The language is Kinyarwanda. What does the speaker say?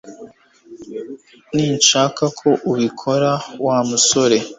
Sinshaka ko ubikora, Wa musore